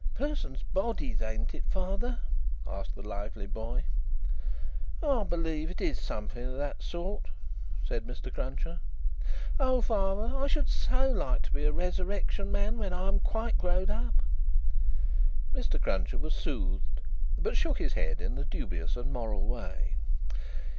"Persons' bodies, ain't it, father?" asked the lively boy. "I believe it is something of that sort," said Mr. Cruncher. "Oh, father, I should so like to be a Resurrection Man when I'm quite growed up!" Mr. Cruncher was soothed, but shook his head in a dubious and moral way.